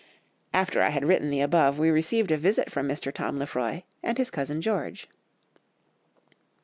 After I had written the above we received a visit from Mr. Tom Lefroy and his cousin George."